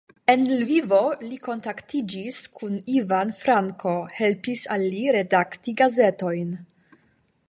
En Lvivo li konatiĝis kun Ivan Franko, helpis al li redakti gazetojn.